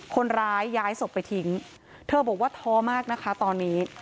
คนร้ายย้ายศพไปทิ้งเธอบอกว่าท้อมากนะคะตอนนี้